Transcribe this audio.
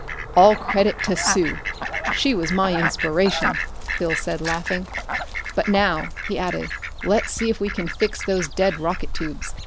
"All credit to Sue: she was my inspiration!" Phil said, laughing. "But now," he added, "let's see if we can fix those dead rocket tubes.